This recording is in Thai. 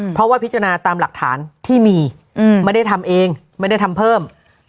เพราะว่าพิจารณาตามหลักฐานที่มีไม่ได้ทำเองไม่ได้ทำเพิ่ม